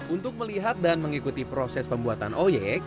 untuk melihat dan mengikuti proses pembuatan oyek